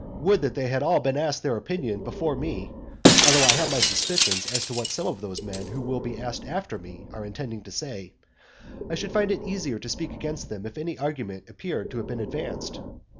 Would that they had all been asked their opinion before me, (although I have my suspicions as to what some of those men who will be asked after me, are intending to say) I should find it easier to speak against them if any argument appeared to have been advanced.